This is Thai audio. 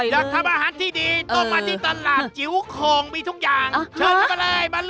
รอบกันหรือยังนะรอบกันหรือยัง